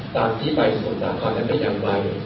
ตามที่ไปสมุดต่างก็ได้อย่างไว